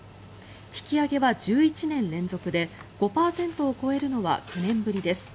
引き上げは１１年連続で５％を超えるのは９年ぶりです。